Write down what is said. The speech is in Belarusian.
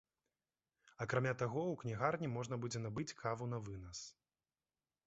Акрамя таго, у кнігарні можна будзе набыць каву навынас.